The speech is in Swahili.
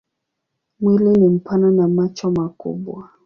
Mwili ni mpana na macho makubwa.